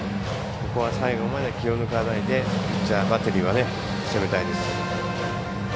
ここは最後まで気を抜かないでピッチャー、バッテリーは攻めたいです。